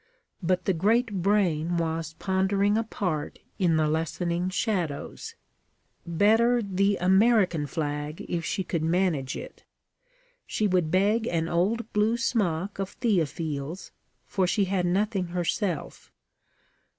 But the great brain was pondering apart in the lessening shadows. Better the American flag, if she could manage it. She would beg an old blue smock of Théophile's, for she had nothing herself.